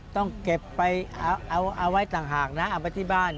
ต้องเก็บไปเอาไว้ต่างหากนะเอาไปที่บ้าน